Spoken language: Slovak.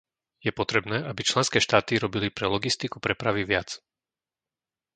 Je potrebné, aby členské štáty robili pre logistiku prepravy viac .